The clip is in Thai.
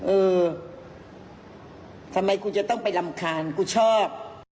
เออทำไมกูจะต้องไปรำคาญกูชอบ